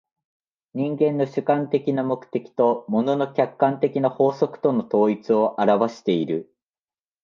人間の主観的な目的と物の客観的な法則との統一を現わしている。